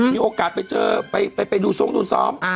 มีโอกาสไปเจอไปดูโซมซ้อม